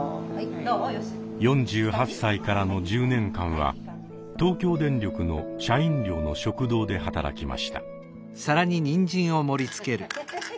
４８歳からの１０年間は東京電力の社員寮の食堂で働きました。